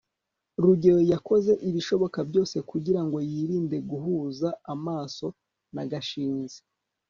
rugeyo yakoze ibishoboka byose kugirango yirinde guhuza amaso na gashinzi